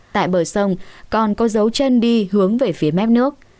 tại bờ sông còn có dấu chân đi hướng về phía mép nước